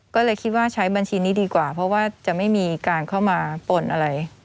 ก็เลยคิดว่าใช้บัญชีนี้ดีกว่าเพราะว่าจะไม่มีการเข้ามาปนอะไร